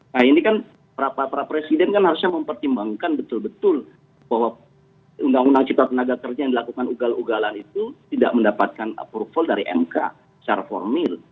nah ini kan para presiden kan harusnya mempertimbangkan betul betul bahwa undang undang cipta tenaga kerja yang dilakukan ugal ugalan itu tidak mendapatkan approval dari mk secara formil